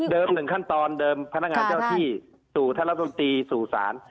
หนึ่งขั้นตอนเดิมพนักงานเจ้าที่สู่ท่านรัฐมนตรีสู่ศาล